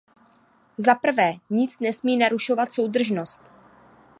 Zaprvé, nic nesmí narušovat soudržnost.